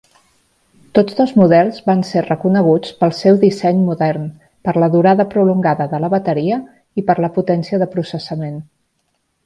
Tots dos models van ser reconeguts pel seu disseny modern, per la durada prolongada de la bateria i per la potència de processament.